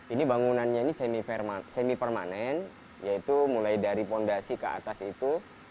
ini bangunannya ini semi permanen yaitu mulai dari fondasi ke atas itu